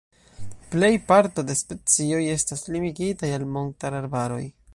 Plej parto de specioj estas limigitaj al montararbaroj.